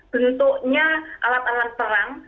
bentuknya alat alat perang